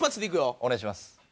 お願いします。